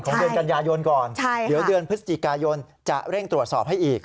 ของเดือนกัญญายนก่อนเดือนพฤศจิกายนจะเร่งตรวจสอบให้อีก